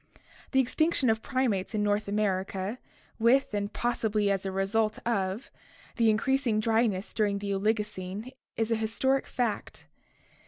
The extinction of primates in North America, with, and possibly as a result of, the increasing dryness during the Oligo cene is an historic fact.